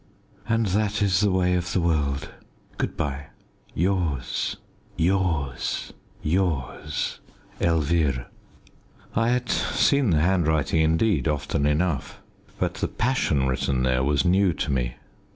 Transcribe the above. And that is the way of the world. Good bye! Yours, yours, yours, ELVIRE." I had seen the handwriting, indeed, often enough. But the passion written there was new to me.